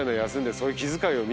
そういう気遣いを見せ。